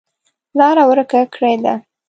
لاره ورکه کړې ده.